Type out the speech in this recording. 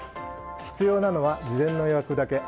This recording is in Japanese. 必要なのは事前の予約だけ。